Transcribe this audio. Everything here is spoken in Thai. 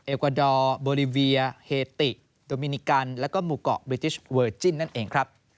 วาดอร์โบรีเวียเฮติโดมินิกันแล้วก็หมู่เกาะเบจิชเวอร์จิ้นนั่นเองครับ